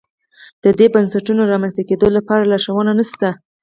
د دې بنسټونو رامنځته کېدو لپاره لارښود نه شته.